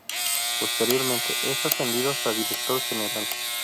Posteriormente es ascendido hasta director general.